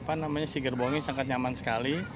sangat nyaman dari segi kabin si gerbongnya sangat nyaman sekali